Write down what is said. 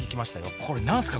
これ何ですか？